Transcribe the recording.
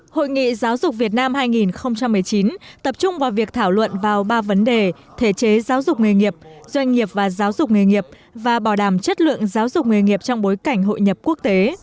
hội nghị giáo dục việt nam hai nghìn một mươi chín tập trung vào việc thảo luận vào ba vấn đề thể chế giáo dục nghề nghiệp doanh nghiệp và giáo dục nghề nghiệp và bảo đảm chất lượng giáo dục nghề nghiệp trong bối cảnh hội nhập quốc tế